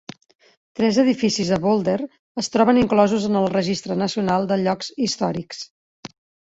Tres edificis a Boulder es troben inclosos en el Registre Nacional de Llocs Històrics.